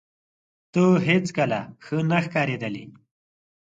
ته هیڅکله ښه نه ښکارېدلې